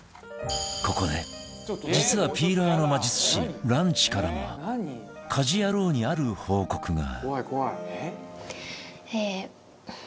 ここで実はピーラーの魔術師ランチからも『家事ヤロウ！！！』にある報告が